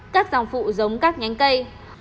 các dòng vụ giống các nhánh cây